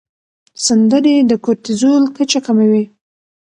سندرې د کورتیزول کچه کموي.